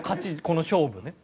この勝負ね。